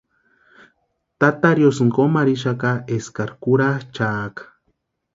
Tata riosïni kómu arhixaka eskari kurhachʼaaka.